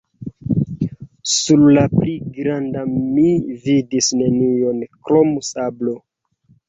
Sur la pli granda mi vidis nenion krom sablo.